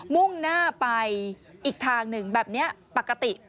มุ่งหน้าไปอีกทางหนึ่งแบบนี้ปกติ